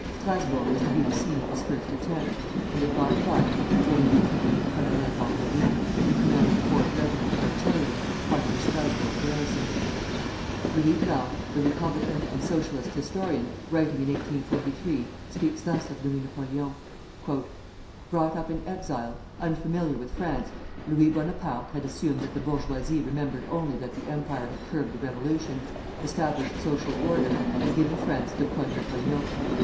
Strasburg was to be the scene of his first attempt, and at Baden Baden he had an interview with Colonel Vambéry, who commanded the Fourth Regiment of Artillery, part of the Strasburg garrison. [Footnote 1: Louis Blanc, Dix Ans.] Louis Blanc, the republican and socialist historian, writing in 1843, speaks thus of Louis Napoleon: "Brought up in exile, unfamiliar with France, Louis Bonaparte had assumed that the bourgeoisie remembered only that the Empire had curbed the Revolution, established social order, and given France the Code Napoléon.